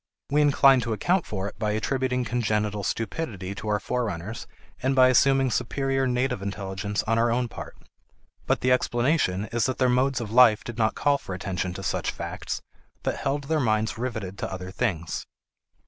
We incline to account for it by attributing congenital stupidity to our forerunners and by assuming superior native intelligence on our own part. But the explanation is that their modes of life did not call for attention to such facts, but held their minds riveted to other things.